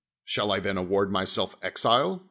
Shall I then award myself exile?